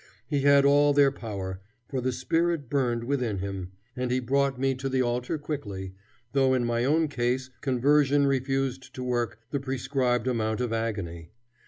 He had all their power, for the spirit burned within him; and he brought me to the altar quickly, though in my own case conversion refused to work the prescribed amount of agony.